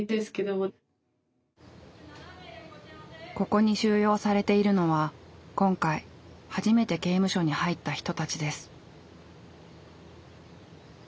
ここに収容されているのは今回初めて刑務所に入った人たちです。